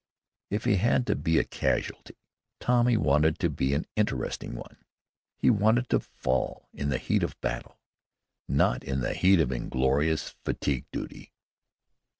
If he had to be a casualty Tommy wanted to be an interesting one. He wanted to fall in the heat of battle, not in the heat of inglorious fatigue duty.